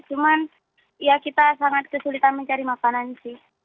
cuman ya kita sangat kesulitan mencari makanan sih